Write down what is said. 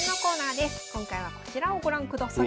今回はこちらをご覧ください。